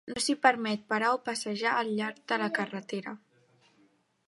No s'hi permet parar o passejar al llarg de la carretera.